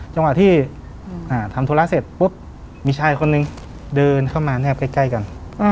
จังหวะที่ทำธุระเสร็จปุ๊บมีชายคนนึงเดินเข้ามาแนบใกล้กัน